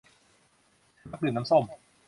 ฉันมักดื่มน้ำส้ม